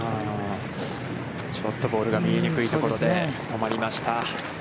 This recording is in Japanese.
ちょっとボールが見えにくいところで止まりました。